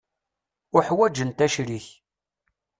Uḥwaǧent acrik.